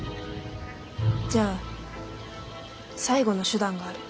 じゃあ最後の手段がある。